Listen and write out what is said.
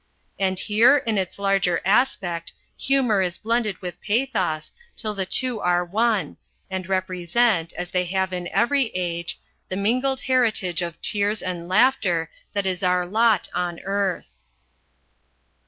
And here, in its larger aspect, humour is blended with pathos till the two are one, and represent, as they have in every age, the mingled heritage of tears and laughter that is our lot on earth.